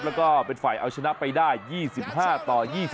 แล้วก็เป็นฝ่ายเอาชนะไปได้๒๕ต่อ๒๕